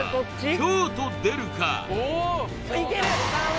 凶と出るか？